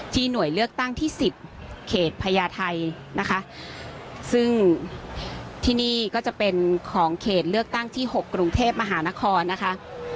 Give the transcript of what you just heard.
หน่วยเลือกตั้งที่สิบเขตพญาไทยนะคะซึ่งที่นี่ก็จะเป็นของเขตเลือกตั้งที่หกกรุงเทพมหานครนะคะ